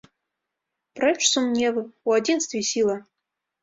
Прэч сумневы, у адзінстве сіла!